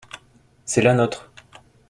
C’est la nôtre.